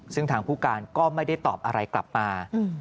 ซึ่งทางผู้การก็ไม่ได้ตอบอะไรกลับมา